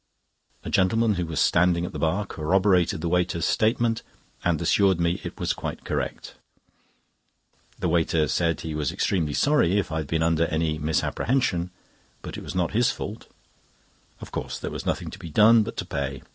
A gentleman who was standing at the bar corroborated the waiter's statement, and assured me it was quite correct. The waiter said he was extremely sorry if I had been under any misapprehension; but it was not his fault. Of course there was nothing to be done but to pay.